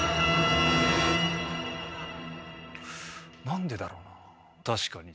なんでだろうな。